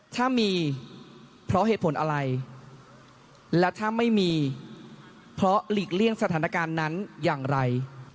ถ้ามีเพราะเหตุผลอะไรและถ้าไม่มีเพราะหลีกเลี่ยงสถานการณ์นั้นอย่างไร